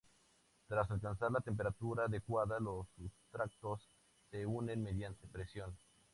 Tras alcanzar la temperatura adecuada los sustratos se unen mediante presión.